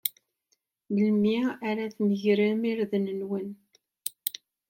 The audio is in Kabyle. Melmi ad tmegremt irden-nwent?